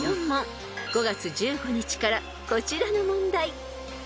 ［５月１５日からこちらの問題］